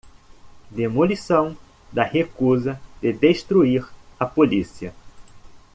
Demolição da recusa de destruir a polícia